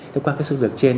thế qua cái sự việc trên